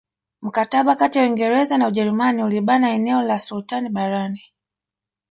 Mkataba kati ya Uingereza na Ujerumani ulibana eneo la sultani barani